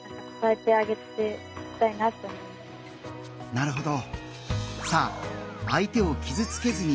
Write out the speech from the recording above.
なるほど。